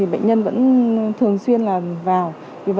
bệnh nhân vẫn thường xuyên vào